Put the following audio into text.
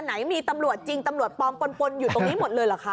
ไหนมีตำรวจจริงตำรวจปลอมปนอยู่ตรงนี้หมดเลยเหรอคะ